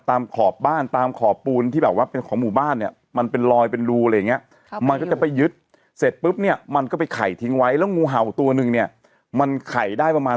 ตามขอบบ้านตามขอบปูนที่